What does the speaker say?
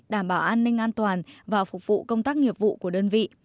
đảm bảo an ninh an toàn và phục vụ công tác nghiệp vụ của đơn vị